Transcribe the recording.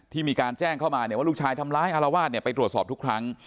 มีการแจ้งเข้ามาว่าลูกชายทำร้ายอารวาสไปตรวจสอบทุกครั้ง